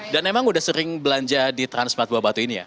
dan emang udah sering belanja di transmart buah batu ini ya